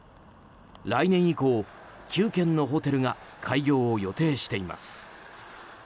来年以降、９件のホテルが開業を予定しています。